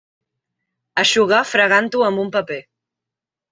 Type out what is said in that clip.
Eixugar fregant-ho amb un paper.